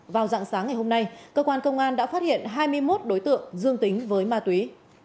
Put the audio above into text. vào dạng sáng ngày hôm nay cơ quan công an đã phát hiện hai mươi một đối tượng dương tính với ma túy